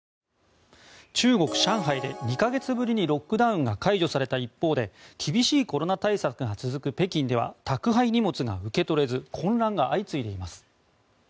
中国・上海で２か月ぶりにロックダウンが解除された一方で厳しいコロナ対策が続く北京では宅配荷物が受け取れず混乱が相次いでいます。